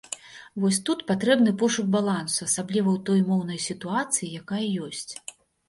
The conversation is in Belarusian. Вось тут патрэбны пошук балансу, асабліва ў той моўнай сітуацыі, якая ёсць.